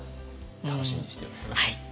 楽しみにしております。